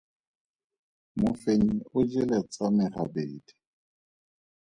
Mofenyi o jele tsa me gabedi.